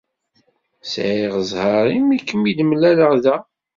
Sɛiɣ zzheṛ imi i ken-id-mlaleɣ da.